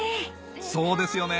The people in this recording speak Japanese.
そうですよね